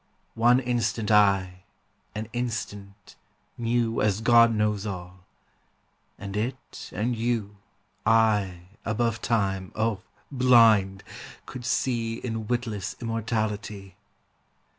One instant I, an instant, knew As God knows all. And it and you I, above Time, oh, blind ! could see In witless immortality.